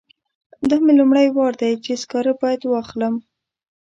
دا مې لومړی وار دی چې سکاره باید واخلم.